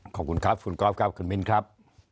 ขอบคุณครับคุณกอล์ฟครับคุณมิ้นครับ